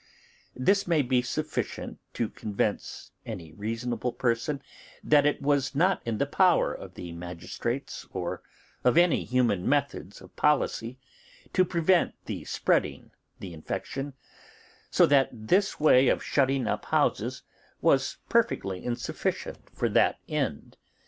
This might be sufficient to convince any reasonable person that as it was not in the power of the magistrates or of any human methods of policy, to prevent the spreading the infection, so that this way of shutting up of houses was perfectly insufficient for that end.